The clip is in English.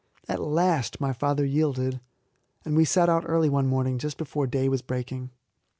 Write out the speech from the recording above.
At last my father yielded, and we set out early one morning just before day was breaking.